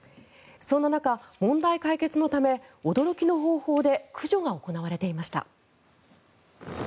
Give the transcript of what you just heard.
そんな中、問題解決のため驚きの方法で駆除が行われていました。